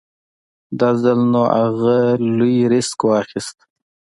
دا ځل نو اغه لوی ريسک واخېست.